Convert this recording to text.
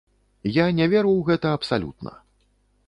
Я не веру ў гэта абсалютна.